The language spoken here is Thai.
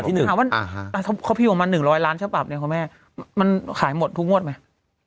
เฉพาะเดี๋ยวผมทีนี้ความปรับอันเงิน๑๐๐ล้านฮะแม่ขายหมดทุกงวดไหม